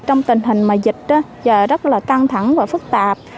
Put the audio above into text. trong tình hình mà dịch giờ rất là căng thẳng và phức tạp